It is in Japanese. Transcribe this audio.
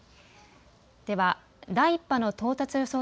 では第１波の到達予想